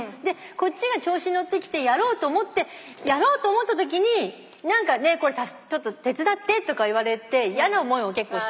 こっちが調子乗ってきてやろうと思ってやろうと思ったときに「ちょっと手伝って」とか言われて嫌な思いを結構した。